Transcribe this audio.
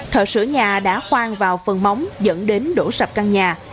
thợ sửa nhà đã khoan vào phần móng dẫn đến đổ sập căn nhà